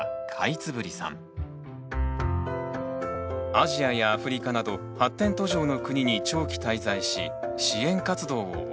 アジアやアフリカなど発展途上の国に長期滞在し支援活動を行ってきた。